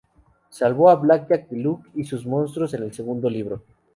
Salvó a Blackjack de Luke y sus monstruos en el segundo libro.